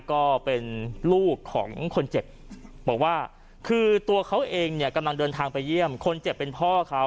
ก็เป็นลูกของคนเจ็บบอกว่าคือตัวเขาเองเนี่ยกำลังเดินทางไปเยี่ยมคนเจ็บเป็นพ่อเขา